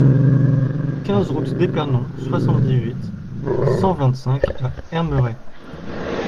quinze route d'Épernon, soixante-dix-huit, cent vingt-cinq à Hermeray